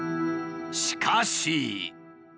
しかし。